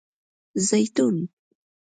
🫒 زیتون